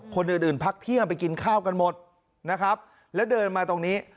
คนอื่นอื่นพักเที่ยงไปกินข้าวกันหมดนะครับแล้วเดินมาตรงนี้